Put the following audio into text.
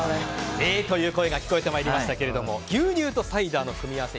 えー！という声が聞こえて参りましたが牛乳とサイダーの組み合わせ